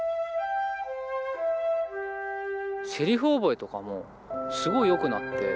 セリフ覚えとかもすごいよくなって。